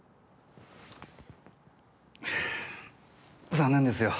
残念ですよ。